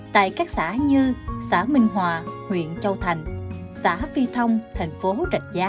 tại các xã như xã minh hòa huyện châu thành xã phi thông thành phố trạch giá